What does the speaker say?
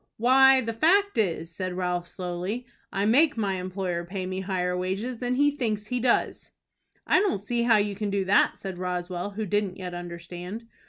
"Why, the fact is," said Ralph, slowly, "I make my employer pay me higher wages than he thinks he does." "I don't see how you can do that," said Roswell, who didn't yet understand.